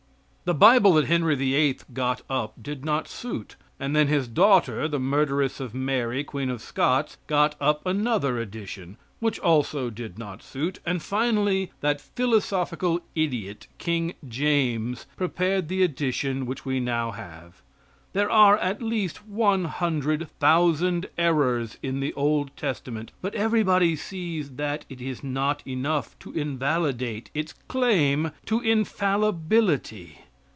The Bible that Henry VIII. got up did not suit, and then his daughter, the murderess of Mary, Queen of Scots, got up another edition, which also did not suit; and finally, that philosophical idiot, King James, prepared the edition which we now have. There are at least one hundred thousand errors in the Old Testament, but everybody sees that it is not enough to invalidate its claim to infallibility.